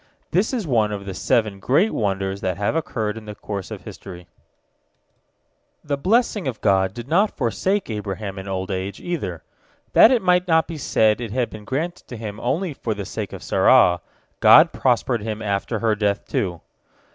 This is one of the seven great wonders that have occurred in the course of history. The blessing of God did not forsake Abraham in old age, either. That it might not be said it had been granted to him only for the sake of Sarah, God prospered him after her death, too.